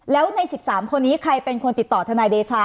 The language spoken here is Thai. แล้วใน๑๓คนนี้ใครเป็นคนติดต่อทนายเดชา